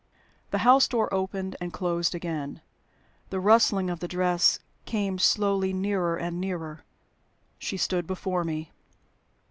The house door opened and closed again. The rustling of the dress came slowly nearer and nearer. She stood before me.